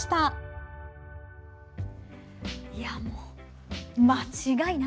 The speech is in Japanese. いやもう間違いないですね。